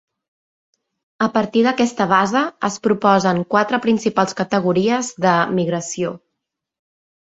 A partir d'aquesta base es proposen quatre principals categories de migració.